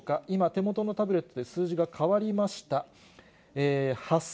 今、手元のタブレットで数字が変わりました。